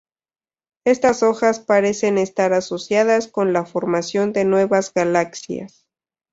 Estas hojas parecen estar asociadas con la formación de nuevas galaxias.